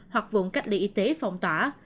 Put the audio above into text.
hoặc vùng cách ly y tế phòng tỏa